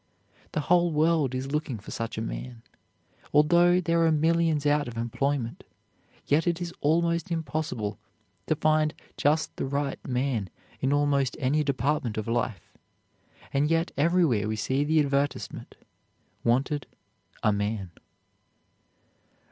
The whole world is looking for such a man. Although there are millions out of employment, yet it is almost impossible to find just the right man in almost any department of life, and yet everywhere we see the advertisement: "Wanted A Man."